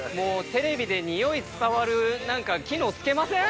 テレビでにおい伝わる何か機能付けません？